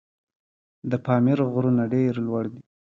د پامیر غرونه ډېر لوړ دي.